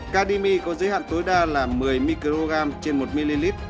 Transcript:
kdmi có giới hạn tối đa là một mươi microgram trên một ml